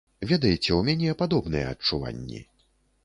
Ведаеце, у мяне падобныя адчуванні.